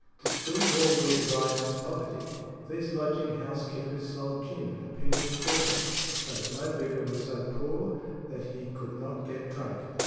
To still more wed vice to poverty, these lodging house keepers sold gin at a penny a quartern, so that no beggar was so poor that he could not get drunk.